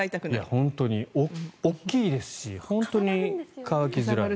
本当に大きいですし本当に乾きづらい。